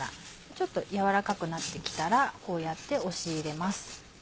ちょっと軟らかくなって来たらこうやって押し入れます。